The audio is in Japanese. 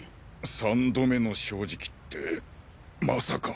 「３ど目の正直」ってまさか。